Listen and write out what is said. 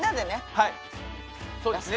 はいそうですね。